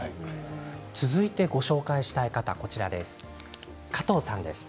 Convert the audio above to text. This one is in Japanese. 続いて紹介したい方は加藤さんです。